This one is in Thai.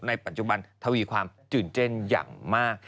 ในปัจจุบันทวีความตื่นเต้นอย่างมาก